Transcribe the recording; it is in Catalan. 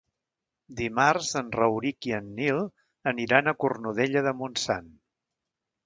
Dimarts en Rauric i en Nil aniran a Cornudella de Montsant.